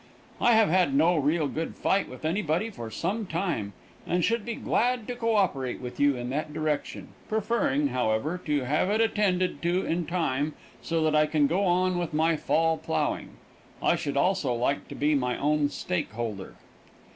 I have had no real good fight with anybody for some time, and should be glad to co operate with you in that direction, preferring, however, to have it attended to in time so that I can go on with my fall plowing. I should also like to be my own stake holder.